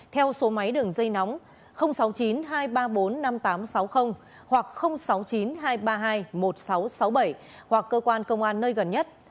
theo số máy đường dây nóng sáu mươi chín hai trăm ba mươi bốn năm nghìn tám trăm sáu mươi hoặc sáu mươi chín hai trăm ba mươi hai một nghìn sáu trăm sáu mươi bảy hoặc cơ quan công an nơi gần nhất